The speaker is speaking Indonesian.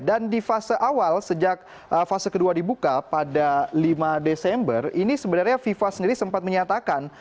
dan di fase awal sejak fase kedua dibuka pada lima desember ini sebenarnya fifa sendiri sempat menyatakan